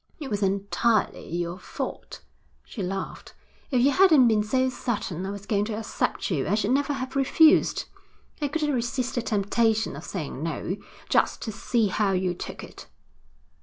'It was entirely your fault,' she laughed. 'If you hadn't been so certain I was going to accept you, I should never have refused. I couldn't resist the temptation of saying no, just to see how you took it.'